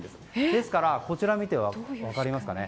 ですから、こちらを見れば分かりますかね。